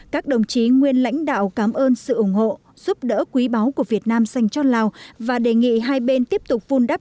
các đồng chí nguyên lãnh đạo cảm ơn sự ủng hộ giúp đỡ quý báu của việt nam dành cho lào và đề nghị hai bên tiếp tục vun đắp